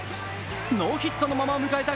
ノーヒットのまま迎えた